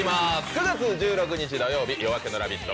９月１６日土曜日の「夜明けのラヴィット！」